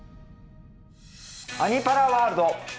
「アニ×パラワールド」。